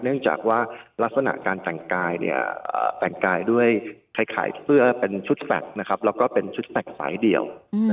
เนื่องจากว่าลักษณะการแต่งกายแต่งกายด้วยใครขายเสื้อเป็นชุดแฟลตแล้วก็เป็นชุดแฟคสายเดี่ยว